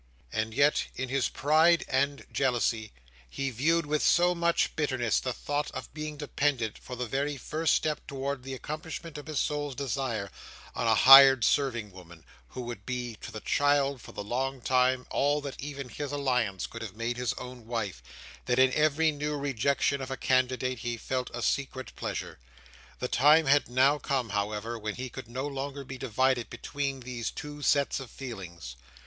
And yet in his pride and jealousy, he viewed with so much bitterness the thought of being dependent for the very first step towards the accomplishment of his soul's desire, on a hired serving woman who would be to the child, for the time, all that even his alliance could have made his own wife, that in every new rejection of a candidate he felt a secret pleasure. The time had now come, however, when he could no longer be divided between these two sets of feelings.